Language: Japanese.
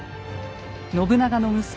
信長の息子